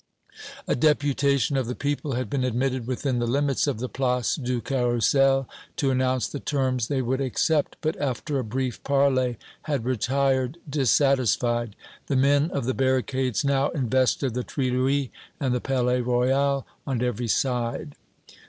A deputation of the people had been admitted within the limits of the Place du Carrousel to announce the terms they would accept, but after a brief parley had retired dissatisfied. The men of the barricades now invested the Tuileries and the Palais Royal on every side.